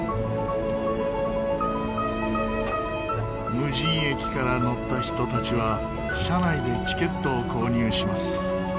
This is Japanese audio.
無人駅から乗った人たちは車内でチケットを購入します。